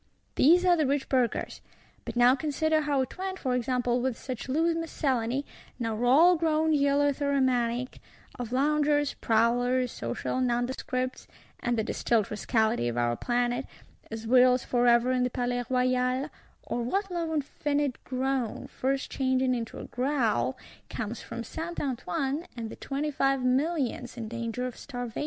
—These are the rich Burghers: but now consider how it went, for example, with such loose miscellany, now all grown eleutheromaniac, of Loungers, Prowlers, social Nondescripts (and the distilled Rascality of our Planet), as whirls forever in the Palais Royal;—or what low infinite groan, first changing into a growl, comes from Saint Antoine, and the Twenty five Millions in danger of starvation!